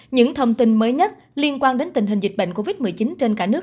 những thông tin mới nhất liên quan đến tình hình dịch bệnh covid một mươi chín trên cả nước